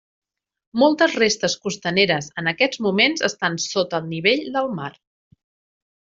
Moltes restes costaneres en aquests moments estan sota el nivell del mar.